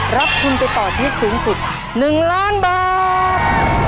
รับทุนไปต่อชีวิตสูงสุด๑ล้านบาท